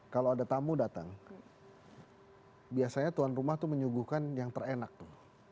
kalau ada tamu datang biasanya tuan rumah tuh menyuguhkan yang terenak tuh